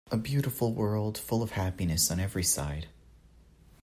A beautiful world, full of happiness on every side.